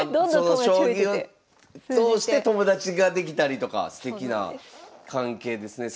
その将棋を通して友達ができたりとかすてきな関係ですね。